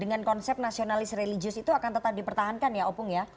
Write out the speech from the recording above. dengan konsep nasionalis religius itu akan tetap dipertahankan ya opung ya